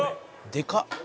「でかっ」